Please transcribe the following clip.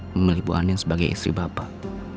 memilih bu anien sebagai istri bapak